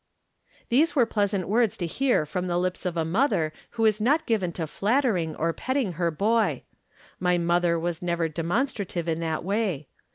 These were pleasant words to hear from the lips of a mother who is not given to flattering or petting her boy. l^lj mother was never demon strative in that way.